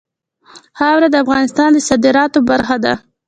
خاوره د افغانستان د صادراتو برخه ده.